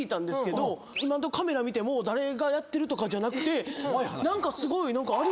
カメラ見ても誰がやってるとかじゃなくて何かすごい。